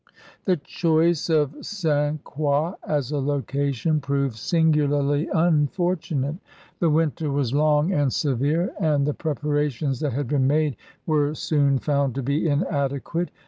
The choice of St. Croix as a location proved singularly unfortunate; the winter was long and severe, and the preparations that had been made were soon found to be inadequate.